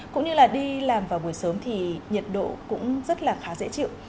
cũng như là đi làm vào buổi sớm thì nhiệt độ cũng rất là khá dễ chịu